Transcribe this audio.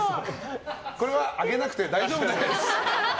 これは上げなくて大丈夫です！